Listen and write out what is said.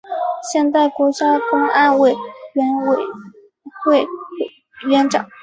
现任国家公安委员会委员长。